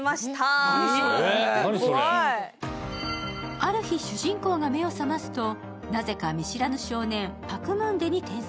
ある日、主人公が目を覚ますとなぜか見知らぬ少年、パク・ムンデに転生。